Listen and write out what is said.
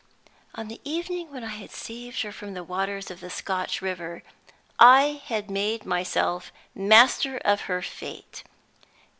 On the evening when I had saved her from the waters of the Scotch river, I had made myself master of her fate.